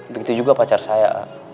begitu juga pacar saya